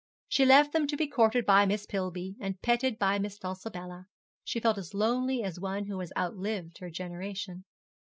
She left them to be courted by Miss Pillby, and petted by Miss Dulcibella. She felt as lonely as one who has outlived her generation.